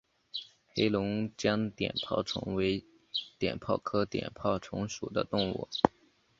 黑龙江碘泡虫为碘泡科碘泡虫属的动物。